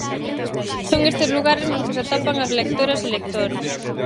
Son estes lugares nos que se atopan as lectoras e lectores.